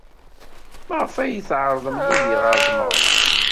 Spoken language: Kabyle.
Maɣef ay d-tɛerḍem Yidir ɣer tmeɣra?